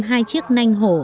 hai chiếc nanh hổ